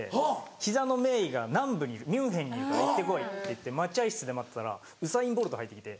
膝の名医が南部にミュンヘンにいるから行ってこいっていって待合室で待ってたらウサイン・ボルト入ってきて。